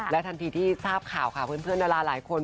ทันทีที่ทราบข่าวค่ะเพื่อนดาราหลายคน